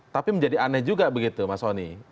tapi menjadi aneh juga begitu mas soni